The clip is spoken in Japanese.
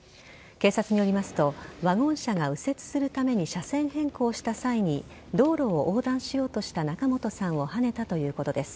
警察によりますとワゴン車が右折するために車線変更した際に道路を横断しようとした仲本さんをはねたということです。